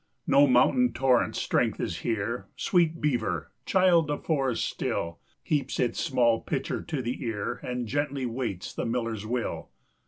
No mountain torrent's strength is here; Sweet Beaver, child of forest still, Heaps its small pitcher to the ear, And gently waits the miller's will.